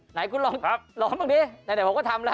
ไหนคุณร้อนมากนี้ไหนพวกก็ทำละ